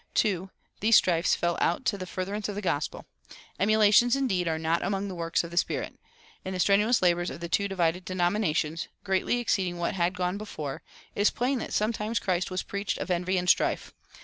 (2) These strifes fell out to the furtherance of the gospel. Emulations, indeed, are not among the works of the Spirit. In the strenuous labors of the two divided denominations, greatly exceeding what had gone before, it is plain that sometimes Christ was preached of envy and strife.